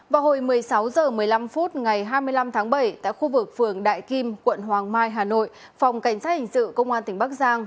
vào hồi một mươi sáu h một mươi năm phút ngày hai mươi năm tháng bảy tại khu vực phường đại kim quận hoàng mai hà nội phòng cảnh sát hình sự công an tỉnh bắc giang